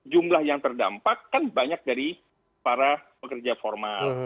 jumlah yang terdampak kan banyak dari para pekerja formal